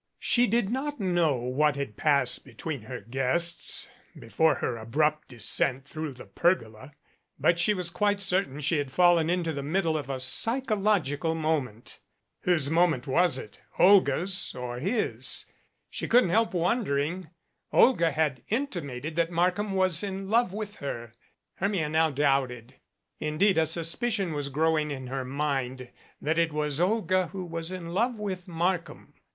She did not know what had passed between her guests before her abrupt descent through the pergola, but she was quite certain she had fallen into the middle of a psychological moment. Whose moment was it, Olga's or his? She couldn't help wondering. Olga had intimated that Markham was in love with her. Hermia now doubted. Indeed a suspicion was growing in her mind that it was Olga who was in love with Markham.